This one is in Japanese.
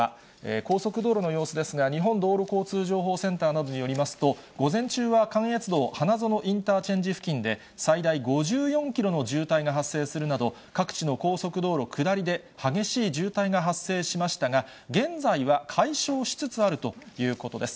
高速道路の様子ですが、日本道路交通情報センターなどによりますと、午前中は関越道花園インターチェンジ付近で最大５４キロの渋滞が発生するなど、各地の高速道路下りで激しい渋滞が発生しましたが、現在は解消しつつあるということです。